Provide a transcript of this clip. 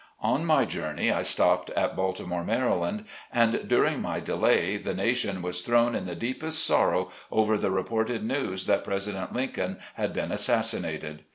On my journey I stopped at Baltimore, Md., and during my delay, the nation was thrown in the deep est sorrow over the reported news that President Lincoln had been assassinated.